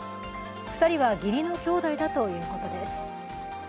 ２人は義理の兄弟だということです。